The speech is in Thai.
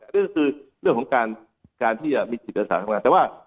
นี่ก็คือเรื่องของการที่มีคลิปจัดสรรค์ทำงาน